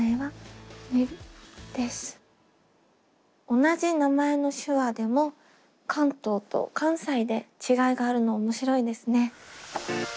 同じ名前の手話でも関東と関西で違いがあるの面白いですね。